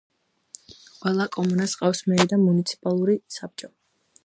ყველა კომუნას ჰყავს მერი და მუნიციპალური საბჭო.